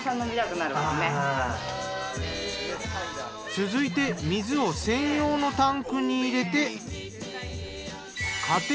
続いて水を専用のタンクに入れて。